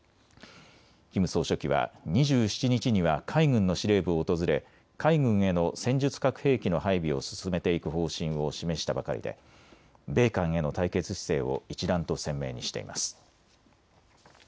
キム総書記は２７日には海軍の司令部を訪れ海軍への戦術核兵器の配備を進めていく方針を示したばかりで米韓への対決姿勢を一段と鮮明にしています。